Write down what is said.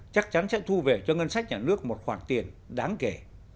chắc chắn sẽ thu về cho ngân sách nhà nước một khoản tiền đáng kể